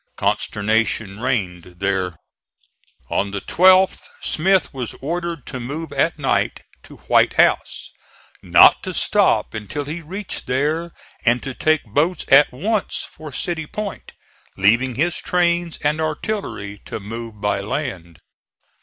Consternation reigned there. On the 12th Smith was ordered to move at night to White House, not to stop until he reached there, and to take boats at once for City Point, leaving his trains and artillery to move by land.